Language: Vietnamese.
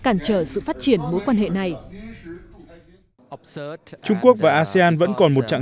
cản trở sự phát triển mối quan hệ này trung quốc và asean vẫn còn một trạng